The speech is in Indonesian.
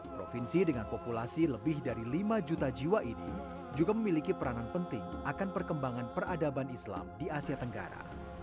provinsi dengan populasi lebih dari lima juta jiwa ini juga memiliki peranan penting akan perkembangan peradaban islam di asia tenggara